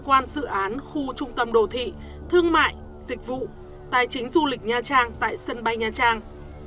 quan dự án khu trung tâm đồ thị thương mại dịch vụ tài chính du lịch nha trang tại sân bay nha trang